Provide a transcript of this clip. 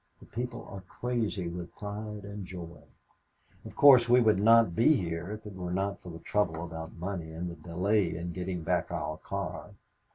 The people are crazy with pride and joy. Of course we would not be here if it were not for the trouble about money and the delay in getting back our car.